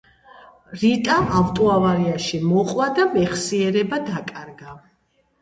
რიტა ავტოავარიაში მოყვა და მეხსიერება დაკარგა.